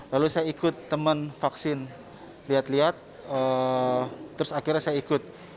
lalu saya ikut teman vaksin lihat lihat terus akhirnya saya ikut